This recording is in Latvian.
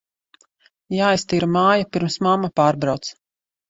Jāiztīra māja, pirms mamma pārbrauc.